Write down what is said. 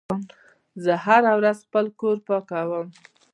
زه هره ورځ خپل کور پاکوم.